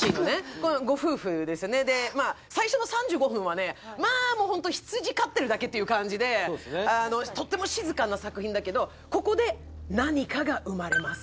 このご夫婦ですよね最初の３５分はねまあもうホント羊飼ってるだけっていう感じでとっても静かな作品だけどここで何かが産まれます